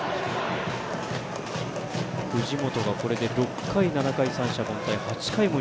藤本がこれで６回、７回三者凡退